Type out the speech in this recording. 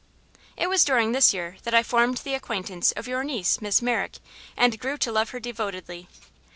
"It was during this year that I formed the acquaintance of your niece, Miss Merrick, and grew to love her devotedly.